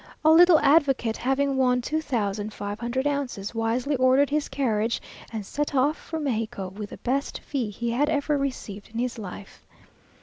A little advocate having won two thousand five hundred ounces, wisely ordered his carriage and set off for Mexico, with the best fee he had ever received in his life.